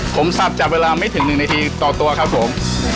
ผมสับจากเวลาไม่ถึง๑นาทีต่อตัวครับผม